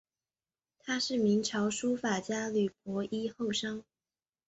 她是明朝书法家吕伯懿后裔。